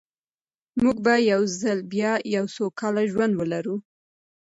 موږ به یو ځل بیا یو سوکاله ژوند ولرو.